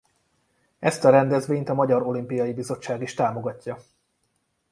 Ezt a rendezvényt a Magyar Olimpiai Bizottság is támogatja.